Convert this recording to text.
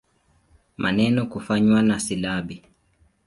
Maneno kufanywa na silabi.